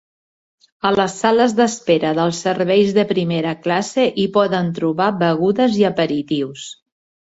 A les sales d"espera dels serveis de primera classe hi podem trobar begudes i aperitius.